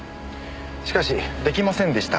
しかし「できませんでした。